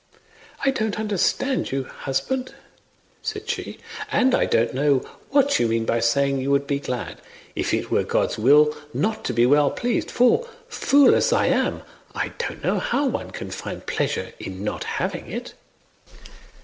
"I don't understand you, husband," said she, "and I don't know what you mean by saying you would be glad, if it were God's will, not to be well pleased; for, fool as I am, I don't know how one can find pleasure in not having it."